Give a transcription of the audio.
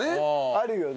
あるよね。